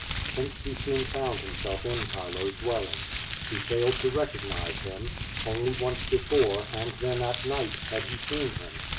Hence he soon found himself in Chilo*s dwelling. He failed to recognize him. Only once before, and then at night, had he seen him.